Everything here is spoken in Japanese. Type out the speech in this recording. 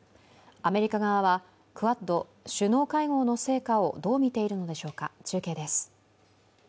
アメリカ側は、クアッド首脳会合の成果をどうみているのでしょうか、中継です。